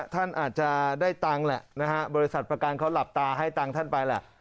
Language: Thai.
ท่านอาจจะได้ตังค์แหละนะฮะบริษัทประกันเขาหลับตาให้ตังค์ท่านไปแหละ